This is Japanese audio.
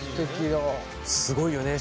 すごいよね